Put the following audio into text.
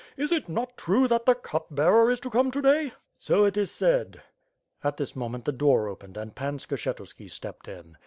Is it not true that the Cup Bearer is to come to day?" "So it is said. At this moment the door opened and Pan Skshetuski stepped in.